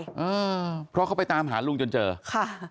อืมเพราะเขาไปตามหาลุงจนเจอค่ะ